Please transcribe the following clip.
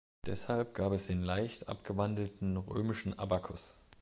Deshalb gab es den leicht abgewandelten Römischen Abakus.